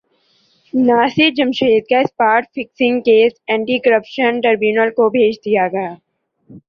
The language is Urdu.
ناصر جمشید کا spot fixing case anti corruption tribunal کو بھیج دیاگیا